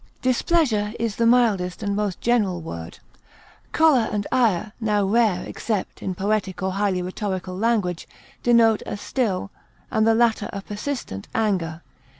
Displeasure is the mildest and most general word. Choler and ire, now rare except in poetic or highly rhetorical language, denote a still, and the latter a persistent, anger.